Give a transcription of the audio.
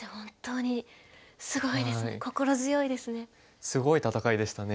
本当にすごいです。